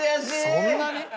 そんなに？